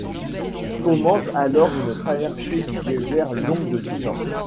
Commence alors une traversée du désert longue de dix ans.